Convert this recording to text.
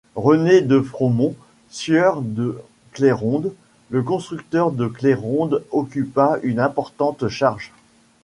Renée de Fromont, sieur de Cléronde, le constructeur de Cléronde occupa une importante charge.